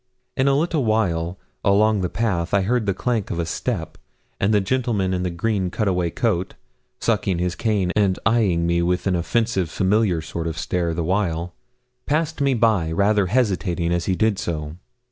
In a little while, along the path, I heard the clank of a step, and the gentleman in the green cutaway coat, sucking his cane, and eyeing me with an offensive familiar sort of stare the while, passed me by, rather hesitating as he did so.